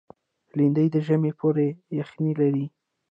لېندۍ د ژمي پوره یخني لري.